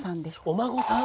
お孫さん？